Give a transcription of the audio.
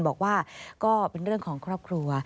บอกว่าก็เป็นเรื่องของครอบครัว